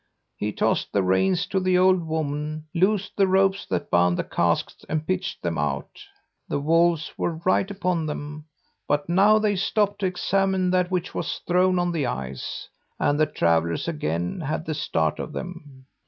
He tossed the reins to the old woman, loosed the ropes that bound the casks, and pitched them out. The wolves were right upon them, but now they stopped to examine that which was thrown on the ice, and the travellers again had the start of them.